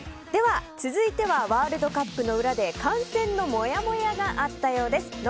続いてはワールドカップの裏で観戦のモヤモヤがあったようです。